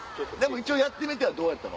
一応やってみてはどうやった？